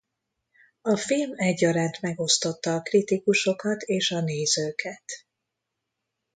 A film egyaránt megosztotta a kritikusokat és a nézőket.